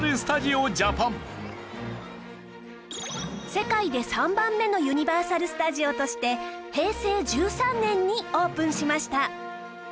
世界で３番目のユニバーサル・スタジオとして平成１３年にオープンしました